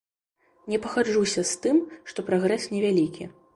Не пагаджуся з тым, што прагрэс невялікі.